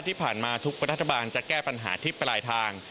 ที่ผ่านมาทุกประรัฐบาลจะแก้ปัญหาทิศปลายทาง